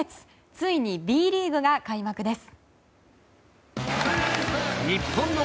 ついにＢリーグが開幕です。